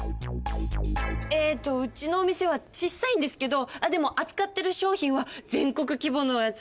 えとうちのお店はちっさいんですけどでも扱ってる商品は全国規模のやつで。